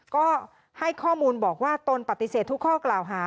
ก็ให้ข้อมูลบอกว่าตนปฏิเสธทุกข้อกล่าวหา